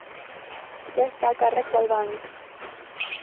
Ja està a càrrec del banc.